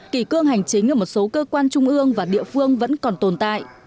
kỳ cương hành chính ở một số cơ quan trung ương và địa phương vẫn còn tồn tại